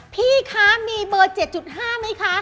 พี่คะมีเบอร์๗๕ไหมคะ